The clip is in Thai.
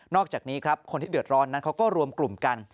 อกจากนี้ครับคนที่เดือดร้อนนั้นเขาก็รวมกลุ่มกัน